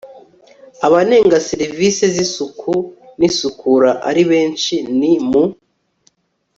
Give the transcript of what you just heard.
abanenga serivisi z isuku n isukura ari benshi ni mu